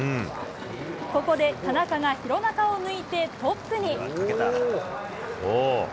ここで田中が廣中を抜いてトップに。